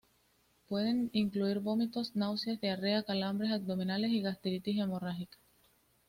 Pueden incluir vómitos, náuseas, diarrea, calambres abdominales y gastritis hemorrágica.